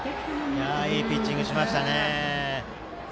いいピッチングしましたね。